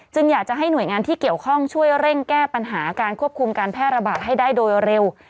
อยากจะให้หน่วยงานที่เกี่ยวข้องช่วยเร่งแก้ปัญหาการควบคุมการแพร่ระบาดให้ได้โดยเร็ว